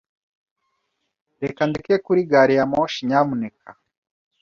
Reka ndeke kuri gari ya moshi, nyamuneka.